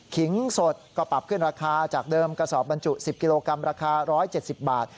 ขิงสดก็ปรับขึ้นราคาจากเดิมกระสอบบรรจุสิบกิโลกรัมราคาร้อยเจ็ดสิบบาท